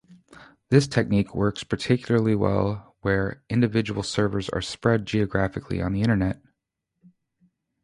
This technique works particularly well where individual servers are spread geographically on the Internet.